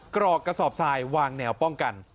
กรอกกระสอบทรายวางแนวป้องกัน